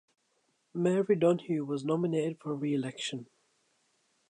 Mary Donohue was nominated for reelection.